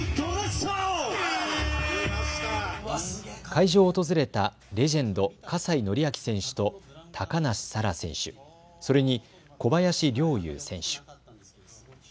会場を訪れたレジェンド、葛西紀明選手と高梨沙羅選手、それに小林陵侑選手。